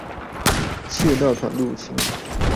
竊盜團入侵